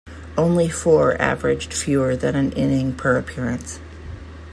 Only four averaged fewer than an inning per appearance.